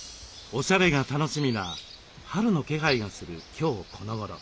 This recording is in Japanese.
おしゃれが楽しみな春の気配がする今日このごろ。